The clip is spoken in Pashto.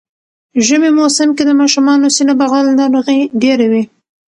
ژمی موسم کی د ماشومانو سینه بغل ناروغی ډیره وی